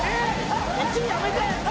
１位やめて！